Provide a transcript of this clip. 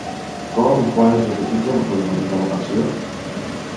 Com i quan es notifica l'atorgament de la pensió?